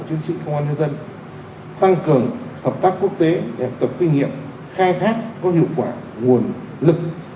chiến sĩ công an nhân dân tăng cường hợp tác quốc tế để tập kinh nghiệm khai thác có hiệu quả nguồn lực